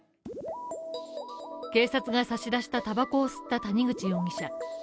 警察が差し出したタバコを吸った谷口容疑者